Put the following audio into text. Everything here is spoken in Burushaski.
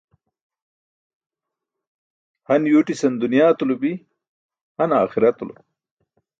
Han yuwṭisan dunyaatulo bi, han aaxiratulo.